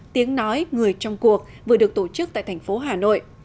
tiếng nói người trong cuộc vừa được tổ chức tại thành phố hà nội